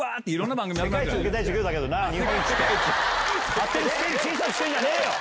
勝手にスケール小さくしてんじゃねえよ！